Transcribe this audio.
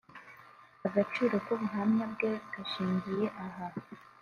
Agaciro k’ubuhamya bwe gashingiye aha